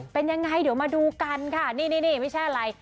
เป็นยังไงเดี๋ยวมาดูกันค่ะนี่ไม่ใช่อะไร